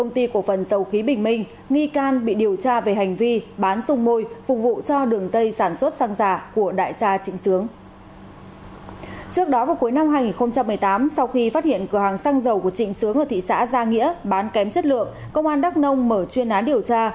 trịnh sướng ở thị xã gia nghĩa bán kém chất lượng công an đắk nông mở chuyên án điều tra